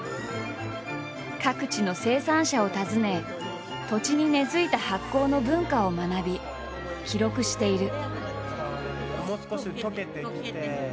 各地の生産者を訪ね土地に根づいた発酵の文化を学び記録している。